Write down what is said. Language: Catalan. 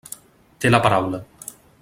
Té la paraula.